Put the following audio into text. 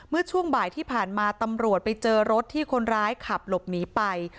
เมื่อช่วงบ่ายที่ผ่านมาตำรวจไปเจอรถที่คนร้ายขับหลบหนีไป